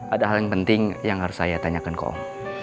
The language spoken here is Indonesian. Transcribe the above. ada hal yang penting yang harus saya tanyakan kok